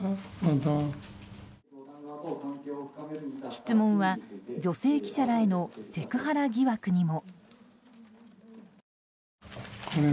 質問は、女性記者らへのセクハラ疑惑にも。